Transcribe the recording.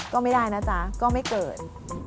ก็ไม่ได้นะจ๊ะก็ไม่เกิด